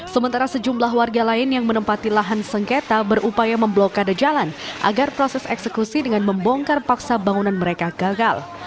sementara sejumlah warga lain yang menempati lahan sengketa berupaya memblokade jalan agar proses eksekusi dengan membongkar paksa bangunan mereka gagal